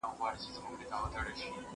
تاسي باید د کوچنیو نېکیو مننه هم وکړئ.